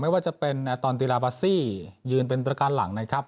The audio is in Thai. ไม่ว่าจะเป็นยืนเป็นประการหลังนะครับ